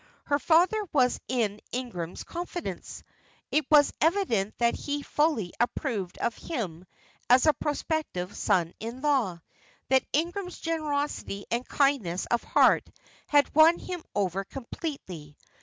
Her father was in Ingram's confidence; it was evident that he fully approved of him as a prospective son in law that Ingram's generosity and kindness of heart had won him over completely.